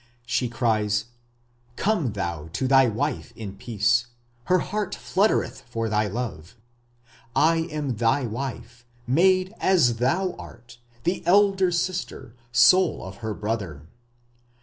She cries, "Come thou to thy wife in peace; her heart fluttereth for thy love", ... "I am thy wife, made as thou art, the elder sister, soul of her brother"....